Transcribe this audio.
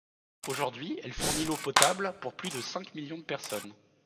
Aujourd'hui, elle fournit l'eau potable pour plus de cinq millions de personnes.